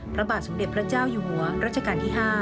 พระบาทสมเด็จพระเจ้าอยู่หัวรัชกาลที่๕